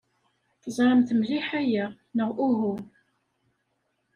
Teẓramt mliḥ aya, neɣ uhu?